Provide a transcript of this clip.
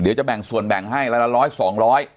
เดี๋ยวจะแบ่งส่วนแบ่งให้รายละร้อยสองร้อย